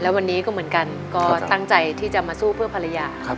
วันนี้ก็เหมือนกันก็ตั้งใจที่จะมาสู้เพื่อภรรยา